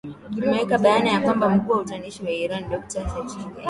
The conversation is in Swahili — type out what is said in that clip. ameweka bayana ya kwamba mkuu wa upatanishi wa iran doctor saidi chelili